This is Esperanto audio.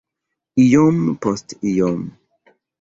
Iom post iom.